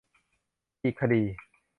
อีกคดี